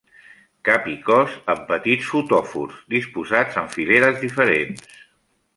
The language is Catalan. Cap i cos amb petits fotòfors disposats en fileres diferents.